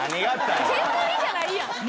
削りじゃないやん。